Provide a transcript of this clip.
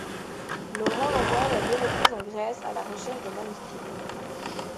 Laurent l'envoie à deux reprises en Grèce à la recherche de manuscrits.